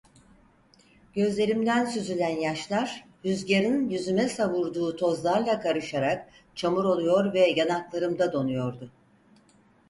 Gözlerimden süzülen yaşlar rüzgarın yüzüme savurduğu tozlarla karışarak çamur oluyor ve yanaklarımda donuyordu.